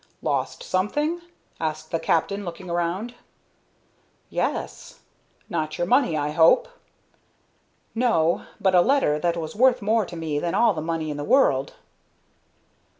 "Lost something?" asked the captain, looking around. "Yes." "Not your money, I hope." "No, but a letter that was worth more to me than all the money in the world."